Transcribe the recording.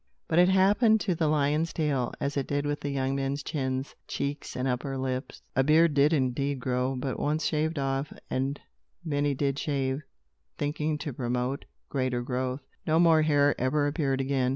But it happened to the lion's tail, as it did with the young men's chins, cheeks and upper lips. A beard did indeed grow, but once shaved off and many did shave, thinking to promote greater growth no more hair ever appeared again.